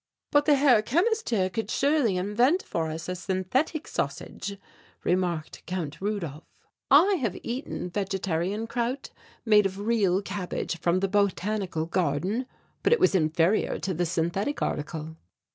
"But the Herr Chemist here could surely invent for us a synthetic sausage," remarked Count Rudolph. "I have eaten vegetarian kraut made of real cabbage from the Botanical Garden, but it was inferior to the synthetic article."